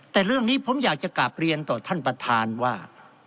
แต่เรื่องนี้ผมอยากจะกลับเรียนต่อท่านประธานว่า